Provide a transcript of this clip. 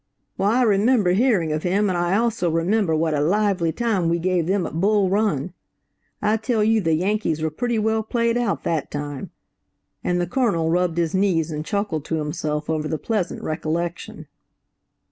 Why, I remember hearing of him, and I also remember what a lively time we gave them at Bull Run. I tell you the Yankees were pretty well played out that time," and the Colonel rubbed his knees and chuckled to himself over the pleasant recollection.